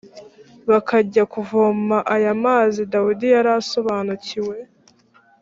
bakajya kuvoma aya mazi dawidi yari asobanukiwe